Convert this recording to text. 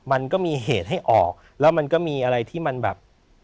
มันก็มีเหตุให้ออกแล้วมันก็มีอะไรที่มันแบบ